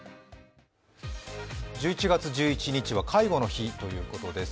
１１月１１日は介護の日ということです。